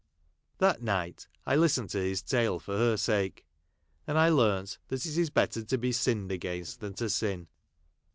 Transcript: That night I listened to his tale for her sake ; and I learnt that it is better to be sinned against than to sin.